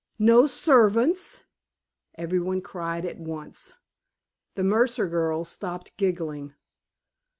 "No servants!" everybody cried at once. The Mercer girls stopped giggling.